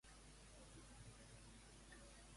I quin percentatge titlla aquesta atenció com apropiada?